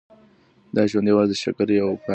دا ژوند یوازې د شکر یو فاني انځور دی.